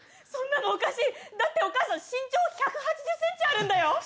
そんなのおかしいだってお母さん身長１８０ｃｍあるんだよ！？